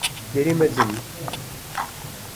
Derî mezin in